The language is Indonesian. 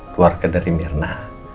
keluarga dari mirna